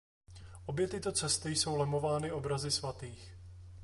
Obě tyto cesty jsou lemovány obrazy svatých.